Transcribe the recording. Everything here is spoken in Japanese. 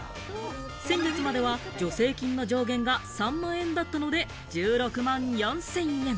先月までは助成金の上限が３万円だったので１６万４０００円。